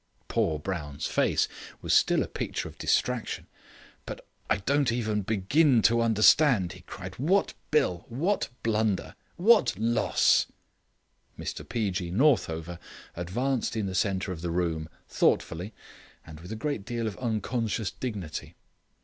Poor Brown's face was still a picture of distraction. "But I don't even begin to understand," he cried. "What bill? what blunder? what loss?" Mr P. G. Northover advanced in the centre of the room, thoughtfully, and with a great deal of unconscious dignity.